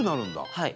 はい。